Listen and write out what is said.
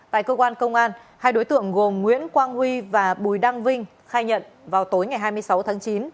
tại cơ quan công an hai đối tượng gồm nguyễn quang huy và bùi đăng vinh khai nhận vào tối ngày hai mươi sáu tháng chín